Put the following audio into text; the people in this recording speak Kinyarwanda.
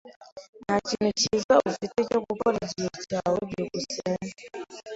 Nta kintu cyiza ufite cyo gukora igihe cyawe? byukusenge